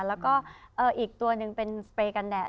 แล้วก็อีกตัวหนึ่งเป็นสเปรย์กันแดด